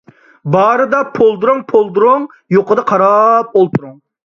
بارىدا پولدۇرۇڭ - پولدۇرۇڭ، يوقىدا قاراپ ئولتۇرۇڭ.